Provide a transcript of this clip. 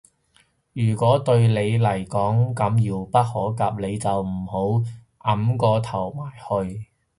如果對你嚟講咁遙不可及，你就唔好舂個頭埋去